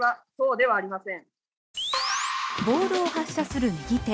ボールを発射する右手。